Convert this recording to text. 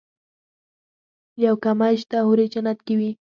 يو کمی شته حورې جنت کې وي.